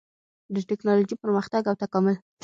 د ټېکنالوجۍ پرمختګ او تکامل